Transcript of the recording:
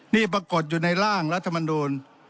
นี่ปรากฏอยู่ในร่างรัฐมนูล